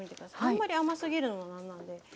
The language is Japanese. あんまり甘すぎるのもなんなんで。